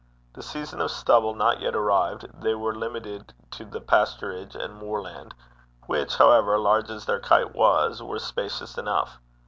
The season of stubble not yet arrived, they were limited to the pasturage and moorland, which, however, large as their kite was, were spacious enough.